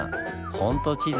ほんと地図